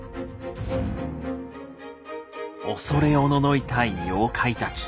恐れおののいた妖怪たち。